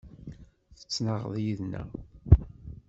Tettnaɣeḍ yid-neɣ.